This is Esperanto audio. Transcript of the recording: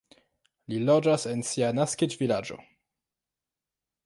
Li loĝas en sia naskiĝvilaĝo.